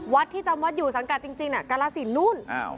ที่จำวัดอยู่สังกัดจริงกาลสินนู่น